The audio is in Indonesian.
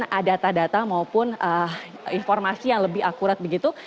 ada data data maupun informasi yang lebih akurat begitu